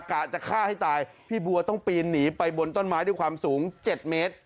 กะจะฆ่าให้ตายพี่บัวต้องปีนหนีไปบนต้นไม้ด้วยความสูง๗เมตร